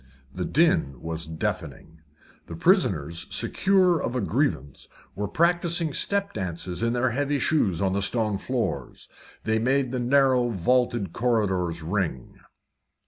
The din was deafening. The prisoners, secure of a grievance, were practising step dances in their heavy shoes on the stone floors: they made the narrow vaulted corridors ring.